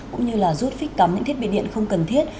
cũng như là rút phích cắm những thiết bị điện không cần thiết